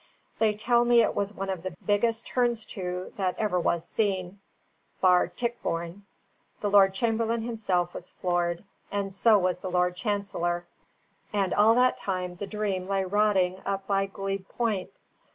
They tell me it was one of the biggest turns to that ever was seen, bar Tichborne; the Lord Chamberlain himself was floored, and so was the Lord Chancellor; and all that time the Dream lay rotting up by Glebe Point.